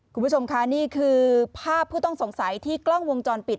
คุณผู้ชมค่ะนี่คือภาพผู้ต้องสงสัยที่กล้องวงจรปิด